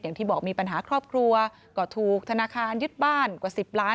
อย่างที่บอกมีปัญหาครอบครัวก็ถูกธนาคารยึดบ้านกว่า๑๐ล้าน